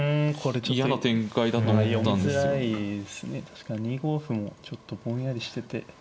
確かに２五歩もちょっとぼんやりしてて。